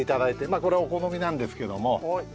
まあこれはお好みなんですけども。